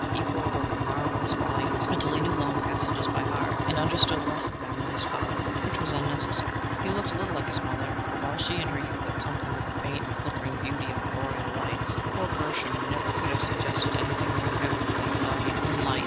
He pored over the marvelous volumes until he knew long passages by heart, and understood less of them than his father which was unnecessary. He looked a little like his mother, but while she in her youth had something of the faint and flickering beauty of the Boreal Lights, poor Gershom never could have suggested anything more heavenly than a foggy moonlight.